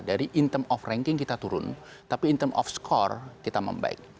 dari in term of ranking kita turun tapi in term of score kita membaik